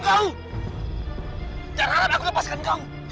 jangan harap aku lepaskan kamu